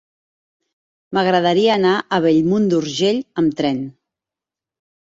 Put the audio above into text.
M'agradaria anar a Bellmunt d'Urgell amb tren.